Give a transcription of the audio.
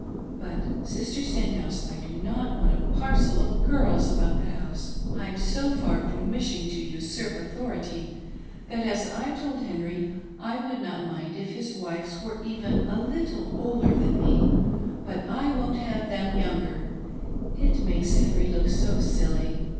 But, Sister Stenhcjuse, I do not want a parcel of girls about tfce hou^e. I'm so far from wishing to usurp authority, (hat, as I told Henry, I would not mind if his wives were even a little dder than me, but I won't have them, younger. It makes Henry look so silly.